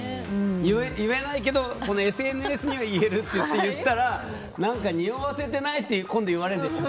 言えないけどＳＮＳには言えるってことで載せたら何か匂わせてない？って今度言われるんでしょ。